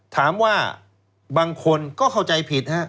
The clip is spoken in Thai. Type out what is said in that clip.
ถามว่าบางคนก็เข้าใจผิด